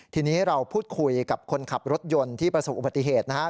ทีนี้เราพูดคุยกับคนขับรถยนต์ที่ประสบอุบัติเหตุนะครับ